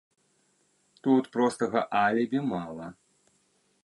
Тут простага алібі мала.